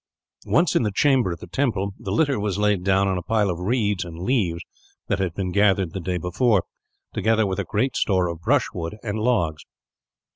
Once in the chamber at the temple, the litter was laid down on a pile of reeds and leaves that had been gathered the day before, together with a great store of brushwood and logs.